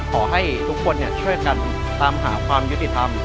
ขอให้ทุกคนช่วยกันตามหาความยุติธรรม